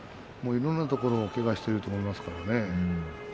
いろんなところをけがしていると思いますから。